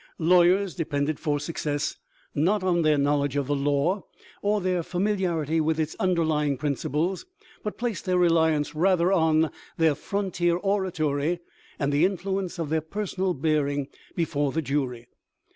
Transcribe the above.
Lawyers depended for success, not on their knowl edge of the law or their familiarity with its under lying principles, but placed their reliance rather on their frontier oratory and the influence of their personal bearing before the jury.